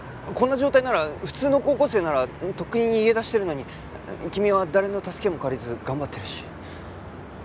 こんな状態なら普通の高校生ならとっくに逃げ出してるのに君は誰の助けも借りず頑張ってるし。